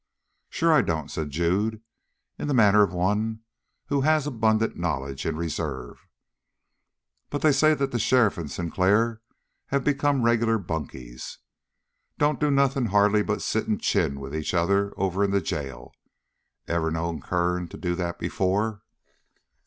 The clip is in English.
"Sure I don't," said Jude in the manner of one who has abundant knowledge in reserve. "But they say that the sheriff and Sinclair have become regular bunkies. Don't do nothing hardly but sit and chin with each other over in the jail. Ever know Kern to do that before?"